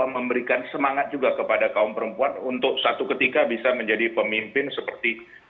memberikan semangat juga kepada kaum perempuan untuk satu ketika bisa menjadi pemimpin seperti